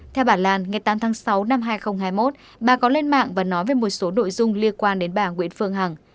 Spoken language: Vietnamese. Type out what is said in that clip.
theo bà lan ngày tám tháng sáu năm hai nghìn hai mươi một bà có lên mạng và nói về một số nội dung liên quan đến bà nguyễn phương hằng